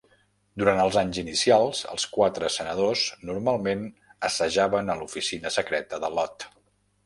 Durant els anys inicials, els quatre senadors normalment assajaven a l'oficina secreta de Lott.